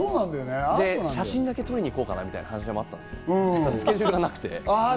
写真だけ撮りに行こうかなみたいな話もあったんですけど、スケジュールがなくて。